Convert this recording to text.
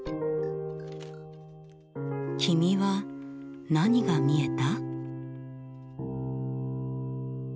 君は何が見えた？